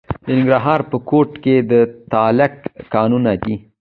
د ننګرهار په کوټ کې د تالک کانونه دي.